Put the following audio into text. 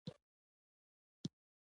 د وړانګو، وړانګو د کمال سفر